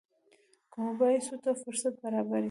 که مباحثو ته فرصت برابر شي.